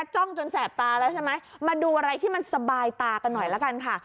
จ้องจนแสบตาแล้วใช่ไหมมาดูอะไรที่มันสบายตากันหน่อยละกันค่ะ